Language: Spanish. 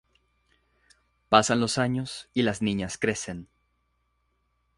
Pasan los años y las niñas crecen.